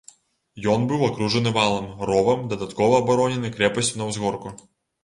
Ён быў акружаны валам, ровам, дадаткова абаронены крэпасцю на ўзгорку.